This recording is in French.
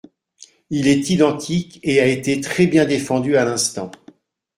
Il est identique et a été très bien défendu à l’instant.